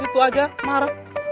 gitu aja marah